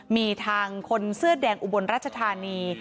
มีทางคนเสื้อแดงอุบลราชธานี